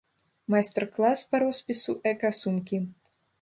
Майстар-клас па роспісу эка-сумкі.